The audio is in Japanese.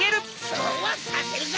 そうはさせるか！